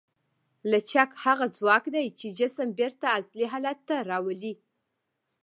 لچک هغه ځواک دی چې جسم بېرته اصلي حالت ته راولي.